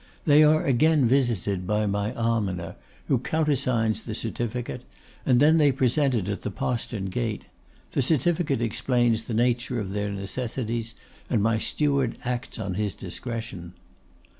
These are again visited by my almoner, who countersigns the certificate, and then they present it at the postern gate. The certificate explains the nature of their necessities, and my steward acts on his discretion.